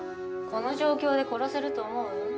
この状況で殺せると思う？